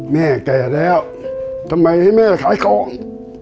แม่แก่แล้วทำไมให้แม่ขายของ